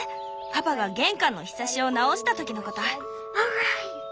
パパが玄関のひさしを直した時のこと。